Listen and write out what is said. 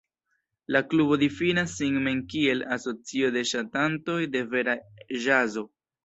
La klubo difinas sin mem kiel "asocio de ŝatantoj de vera ĵazo".